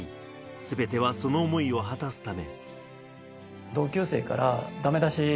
全てはその思いを果たすため。